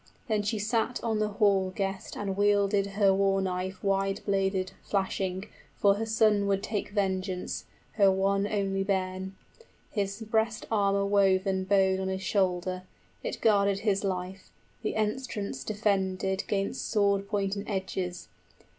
Then she sat on the hall guest And wielded her war knife wide bladed, flashing, For her son would take vengeance, her one only bairn. {His armor saves his life.} His breast armor woven bode on his shoulder; It guarded his life, the entrance defended 75 'Gainst sword point and edges.